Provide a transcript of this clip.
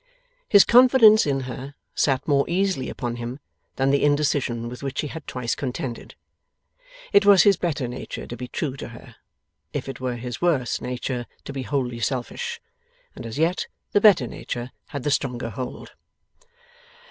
His confidence in her, sat more easily upon him than the indecision with which he had twice contended. It was his better nature to be true to her, if it were his worse nature to be wholly selfish. And as yet the better nature had the stronger hold.